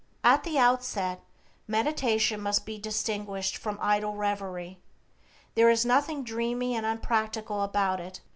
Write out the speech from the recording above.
At the outset, meditation must be distinguished from idle reverie. There is nothing dreamy and unpractical about it.